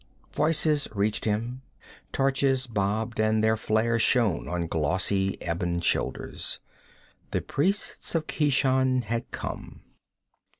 Voices reached him; torches bobbed and their flare shone on glossy ebon shoulders. The priests of Keshan had come.